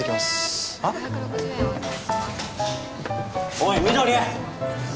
おい緑！